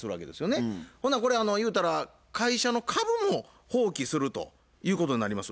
ほなこれ言うたら会社の株も放棄するということになります。